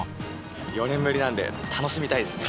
４年ぶりなんで、楽しみたいですね。